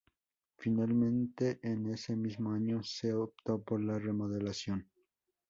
Finalmente en ese mismo año se optó por la remodelación.